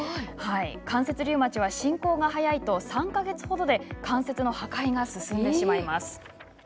関節リウマチは進行が早いと３か月ほどで関節の破壊が進んでしまうんです。